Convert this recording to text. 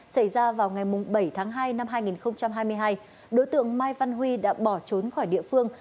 xảy ra vào ngày bảy tháng hai năm hai nghìn hai mươi hai đối tượng mai văn huy đã bỏ trốn khỏi địa phương